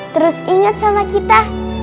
terus ingat sama kita